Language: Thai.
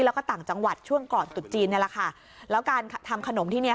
แล้วก็ต่างจังหวัดช่วงก่อนตุดจีนนี่แหละค่ะแล้วการทำขนมที่เนี้ย